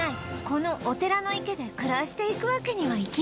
このお寺の池で暮らしていくわけにはいきません